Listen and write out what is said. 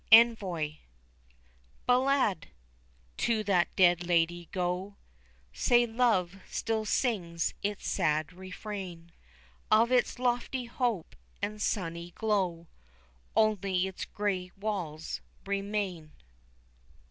ENVOI. Ballade! To that dead lady go Say Love still sings its sad refrain; Of its lofty hope and sunny glow Only its old grey walls remain.